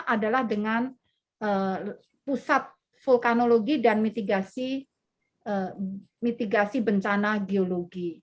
adalah dengan pusat vulkanologi dan mitigasi mitigasi bencana geologi